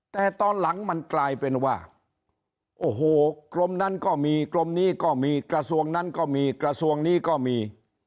แต่ตอนหลังมันกลายเป็นว่าโอ้โหกรมนั้นก็มีกรมนี้ก็มีกระทรวงนั้นก็มีกระทรวงนี้ก็มี